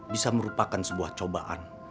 bisa merupakan sebuah cobaan